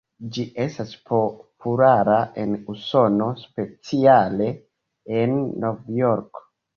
Ĝi estas populara en Usono, speciale en Novjorko.